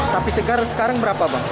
sapi segar sekarang berapa bang